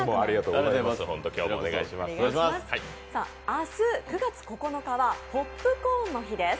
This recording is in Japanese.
明日９月９日はポップコーンの日です。